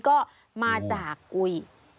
ก็มาจากอุย